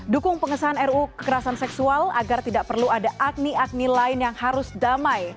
dukung pengesahan ruu kekerasan seksual agar tidak perlu ada agni agni lain yang harus damai